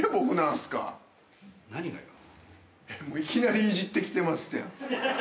いきなりいじってきてますやん。